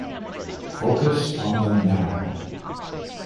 Focus on the now.